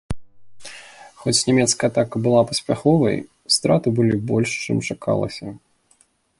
Хоць нямецкая атака была паспяховай, страты былі больш, чым чакалася.